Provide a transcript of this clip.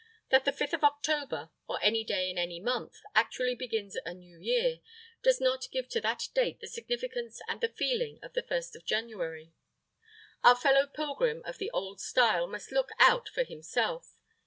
That the fifth of October, or any day in any month, actually begins a new year, does not give to that date the significance and the feeling of the first of January. Our fellow pilgrim of the old style must look out for himself.